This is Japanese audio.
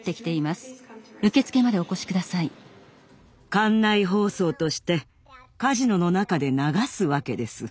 館内放送としてカジノの中で流すわけです。